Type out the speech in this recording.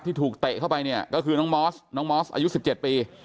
ถูกเตะเข้าไปเนี่ยก็คือน้องมอสน้องมอสอายุ๑๗ปี